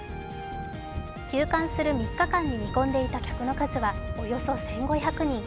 休館する３日間に見込んでいた客の数はおよそ１５００人。